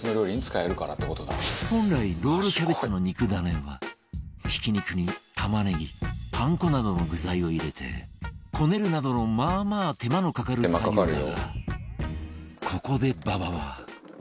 本来ロールキャベツの肉ダネはひき肉に玉ねぎパン粉などの具材を入れてこねるなどのまあまあ手間のかかる作業だがここで馬場は